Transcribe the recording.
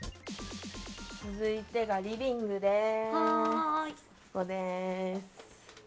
続いてがリビングです。